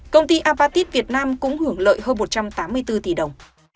công ty apatit việt nam cũng hưởng lợi hơn một trăm tám mươi bốn tỷ đồng